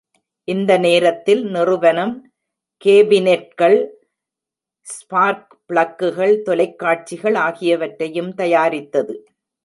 இந்த நேரத்தில் நிறுவனம் கேபினெட்கள், ஸ்பார்க் பிளக்குகள், தொலைக்காட்சிகள் ஆகியவற்றையும் தயாரித்தது.